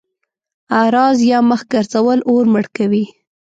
اعراض يا مخ ګرځول اور مړ کوي.